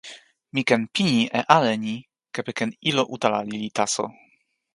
mi ken pini e ale ni kepeken ilo utala lili taso.